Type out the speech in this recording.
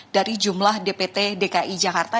dari jumlah dpt dki jakarta